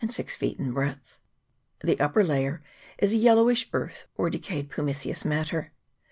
405 six feet in breadth : the upper layer is a yellowish earth, or decayed pumiceous matter.